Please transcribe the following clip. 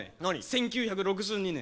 １９６２年。